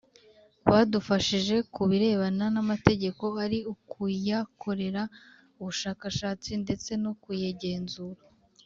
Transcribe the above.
Badufashije ku birebana n’amategeko ari ukuyakorera ubushakashatsi ndetse no kuyagenzura